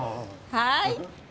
はい。